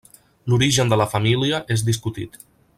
L'origen de la família és discutit.